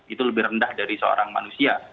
itu lebih rendah dari seorang manusia